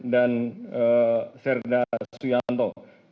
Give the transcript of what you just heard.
dan serda suyanto